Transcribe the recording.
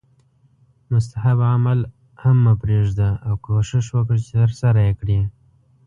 مستحب عمل هم مه پریږده او کوښښ وکړه چې ترسره یې کړې